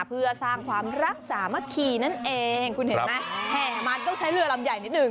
เพื่อสร้างความรักษาเมื่อกี้นั่นเองแห่มันต้องใช้เรือลำใหญ่นิดนึง